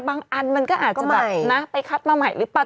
อันมันก็อาจจะแบบนะไปคัดมาใหม่หรือเปล่า